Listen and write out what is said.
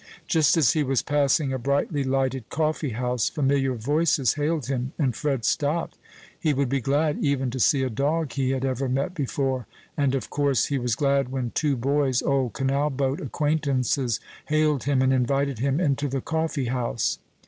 Just as he was passing a brightly lighted coffee house, familiar voices hailed him, and Fred stopped; he would be glad even to see a dog he had ever met before, and of course he was glad when two boys, old canal boat acquaintances, hailed him, and invited him into the coffee house.